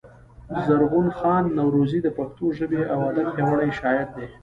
زرغون خان نورزى د پښتو ژبـي او ادب پياوړی شاعر دﺉ.